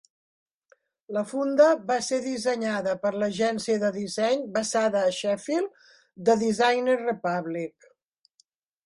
La funda va ser dissenyada per l'agència de disseny basada a Sheffield, The Designers Republic.